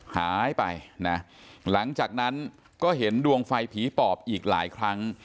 หายไปนะหลังจากนั้นก็เห็นดวงไฟผีปอบอีกหลายครั้ง